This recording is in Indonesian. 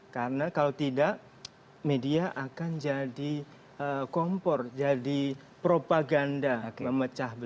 karena kalau tidak media akan jadi kompor jadi propaganda memecah belakang